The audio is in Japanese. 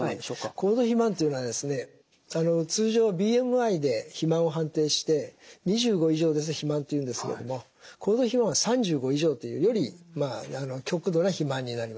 高度肥満というのはですね通常ＢＭＩで肥満を判定して２５以上ですと肥満というんですけれども高度肥満は３５以上というより極度な肥満になりますね。